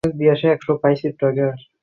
সে কী করেছে?